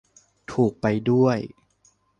ถูก ไปด้วย !